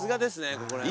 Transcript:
ここら辺は。